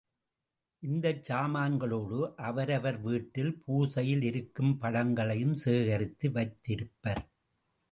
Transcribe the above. இந்தச் சாமான்களோடு அவரவர் வீட்டில் பூஜையில் இருக்கும் படங்களையும் சேகரித்து வைத் திருப்பர்.